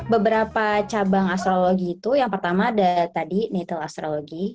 beberapa cabang astrologi itu yang pertama ada tadi natal astrologi